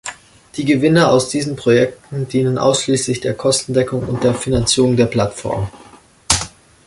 Die Gewinne aus diesen Projekten dienen ausschließlich der Kostendeckung und der Finanzierung der Plattform.